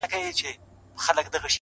پوهه د شک پر ځای وضاحت راولي.